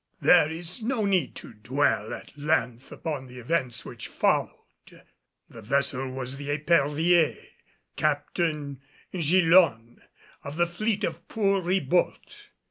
There is no need to dwell at length upon the events which followed. The vessel was the Epervier, Captain Gillonne, of the fleet of poor Ribault.